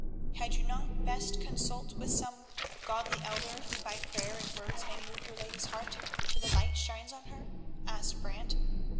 "Had you not best consult with some godly elder who by prayer and words may move your lady's heart till the light shines on her?" asked Brant.